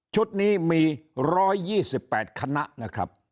ชุดนี้มี๑๒๘คณะ